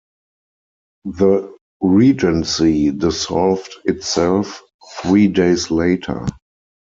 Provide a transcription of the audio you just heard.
The Regency dissolved itself three days later.